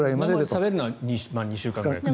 生で食べるのは２週間ぐらいと。